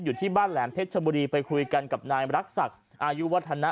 อยู่ที่บ้านแหลมเพชรชบุรีไปคุยกันกับนายรักษักอายุวัฒนะ